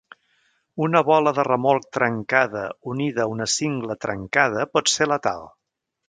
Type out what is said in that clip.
Una bola de remolc trencada unida a una cingla trencada pot ser letal.